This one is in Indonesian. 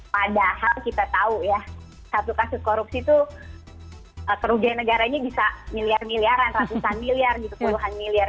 padahal kita tahu ya satu kasus korupsi itu kerugian negaranya bisa miliar miliaran ratusan miliar gitu puluhan miliar